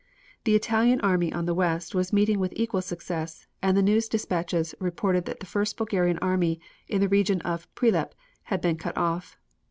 The Italian army, on the west, was meeting with equal success, and the news dispatches reported that the first Bulgarian army in the region of Prilep had been cut off.